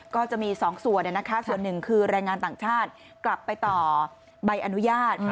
ก็จะมี๒ส่วนส่วนหนึ่งคือแรงงานต่างชาติกลับไปต่อใบอนุญาต